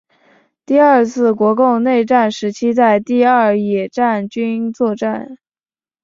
第二次国共内战时期在第二野战军作战。